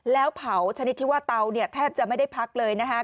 แล้วเผาชนิดที่ว่าเตาเนี่ยแทบจะไม่ได้พักเลยนะคะ